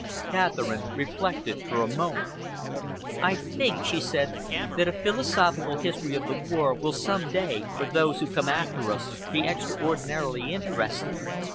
Catherine reflected for a moment. "I think," she said, "that a philosophical history of the war will some day, for those who come after us, be extraordinarily interesting.